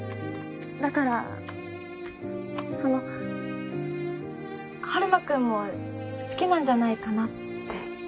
だからその春馬君も好きなんじゃないかなって。